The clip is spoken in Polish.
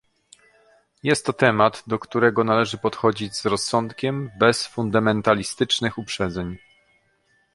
Jest to temat, do którego należy podchodzić z rozsądkiem, bez fundamentalistycznych uprzedzeń